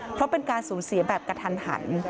เพราะเป็นการสูญเสียแบบกระทันหัน